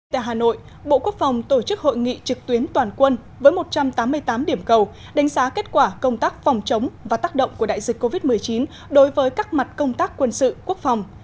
tại hà nội bộ quốc phòng tổ chức hội nghị trực tuyến toàn quân với một trăm tám mươi tám điểm cầu đánh giá kết quả công tác phòng chống và tác động của đại dịch covid một mươi chín đối với các mặt công tác quân sự quốc phòng